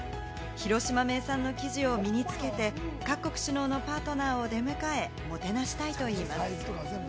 広島名産の生地を身につけて、各国首脳のパートナーを出迎え、もてなしたいと言います。